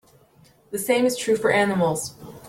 The same is true for animals.